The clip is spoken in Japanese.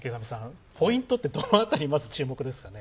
ポイントってどの辺り、まず注目ですかね？